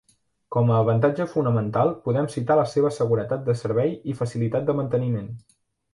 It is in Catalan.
Com a avantatge fonamental podem citar la seva seguretat de servei i facilitat de manteniment.